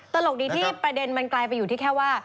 ตลกดีที่ประเด็นมันกลายไปอยู่ที่แค่ว่า